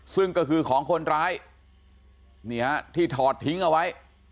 ซึ่งก็คือของคนร้ายนี่ฮะที่ถอดทิ้งเอาไว้